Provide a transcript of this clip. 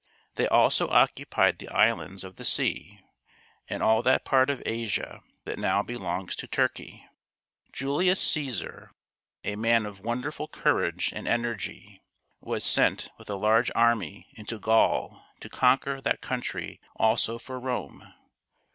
They also occupied the islands of the sea and all that part of Asia that now belongs to Turkey. Julius Caesar, a man of wonderful courage and energy, was sent with a large army into Gaul to conquer that country also for Rome.